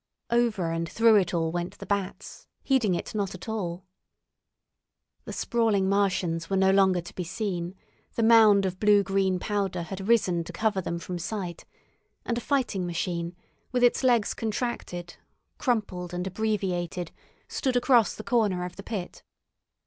Over and through it all went the bats, heeding it not at all. The sprawling Martians were no longer to be seen, the mound of blue green powder had risen to cover them from sight, and a fighting machine, with its legs contracted, crumpled, and abbreviated, stood across the corner of the pit.